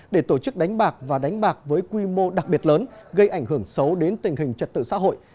để tổ chức đánh bạc và đánh bạc với quy mô đặc biệt lớn gây ảnh hưởng xấu đến tình hình trật tự xã hội